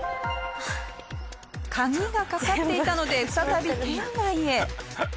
鍵がかかっていたので再び店内へ。